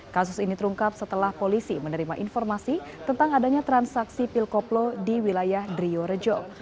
kasus ini terungkap setelah polisi menerima informasi tentang adanya transaksi pil koplo di wilayah driorejo